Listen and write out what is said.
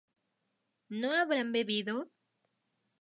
¿no habrán bebido?